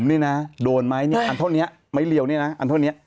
อันท่อนี้ไม้เรียวนี่นะอันท่อนี้